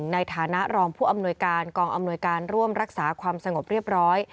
ในฐานะรองผู้อำนวยการกองอำนวยการร่วมรักษาความสงบเรียบร้อย